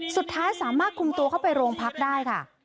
สุดท้ายสามารถคุมตัวเข้าไปโรงพักได้ค่ะ